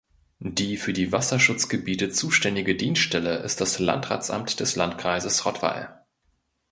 Die für die Wasserschutzgebiete zuständige Dienststelle ist das Landratsamt des Landkreises Rottweil.